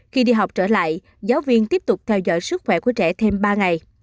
khi đi học trở lại giáo viên tiếp tục theo dõi sức khỏe của trẻ thêm ba ngày